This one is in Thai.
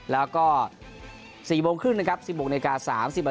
แล้วก็๔โมงครึ่งนะครับ๑๐โมงนาฬิกา๓๐ม